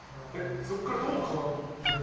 そこからどう変わっていった？